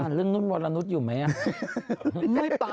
ถ้าคุณอ่านข่าวตอนเที่ยวฉันจะไปยืนแก้พาด